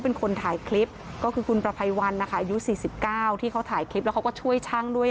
เป็นคนถ่ายคลิปก็คือคุณประภัยวันนะคะอายุ๔๙ที่เขาถ่ายคลิปแล้วเขาก็ช่วยช่างด้วย